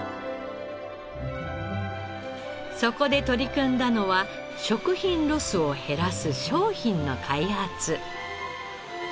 そこで取り組んだのは食品ロスを減らす商品の開発。